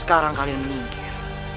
sekarang kalian meninggir